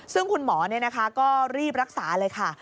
ซึ่งคุณหมอก็รีบรักษาเลยค่ะ